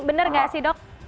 bener nggak sih dok